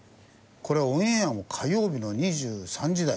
これオンエアも火曜日の２３時台。